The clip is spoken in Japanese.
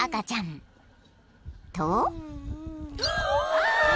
［と］